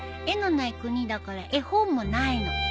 絵のない国だから絵本もないの。